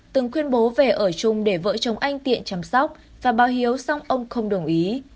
từng khuyên bố về ở chung để vợ chồng anh tiện chăm sóc và báo hiếu xong ông không đồng ý